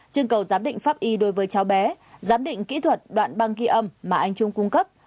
chương cầu giám định pháp y đối với cháu bé giám định kỹ thuật đoạn băng ghi âm mà anh trung cung cấp